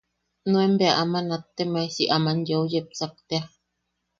Nuen bea ama nattemae si aman yeu yepsak tea.